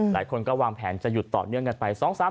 หลายคนก็วางแผนจะหยุดต่อเนื่องกันไป